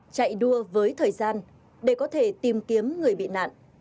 chạy đua với thời gian để có thể tìm kiếm người bị nạn